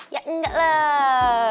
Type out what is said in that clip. ya enggak lah